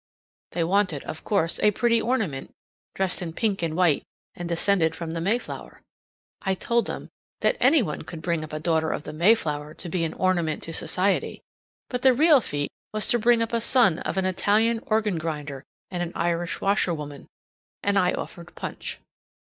They wanted, of course, a pretty ornament, dressed in pink and white and descended from the Mayflower. I told them that any one could bring up a daughter of the Mayflower to be an ornament to society, but the real feat was to bring up a son of an Italian organ grinder and an Irish washerwoman. And I offered Punch.